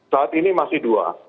saat ini masih dua